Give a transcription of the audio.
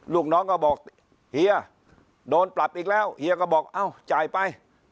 ลูกน้องก็บอกเฮียโดนปรับอีกแล้วเฮียก็บอกเอ้าจ่ายไป